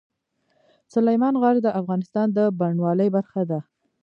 سلیمان غر د افغانستان د بڼوالۍ برخه ده.